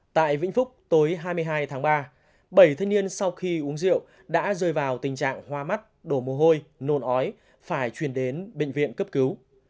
tại vĩnh phúc tối hai mươi hai tháng ba bảy thanh niên sau khi uống rượu đã rơi vào tình trạng hoa mắt đổ mồ hôi nồn ói phải chuyển đến bệnh viện cấp cứu